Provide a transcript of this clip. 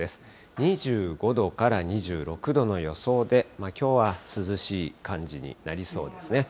２５度から２６度の予想で、きょうは涼しい感じになりそうですね。